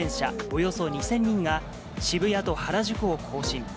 およそ２０００人が、渋谷と原宿を行進。